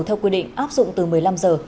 theo quy định áp dụng từ một mươi năm giờ